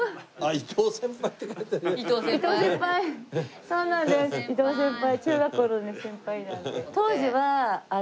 伊藤先輩中学校のね先輩なんで。